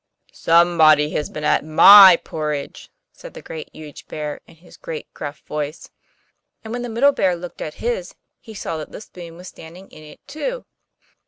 'SOMEBODY HAS BEEN AT MY PORRIDGE!' said the Great, Huge Bear, in his great gruff voice. And when the Middle Bear looked at his, he saw that the spoon was standing in it too.